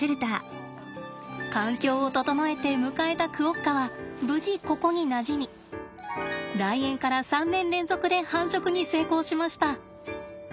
環境を整えて迎えたクオッカは無事ここになじみ来園から３年連続で繁殖に成功しました！